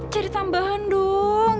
cari tambahan don